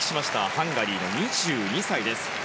ハンガリーの２２歳です。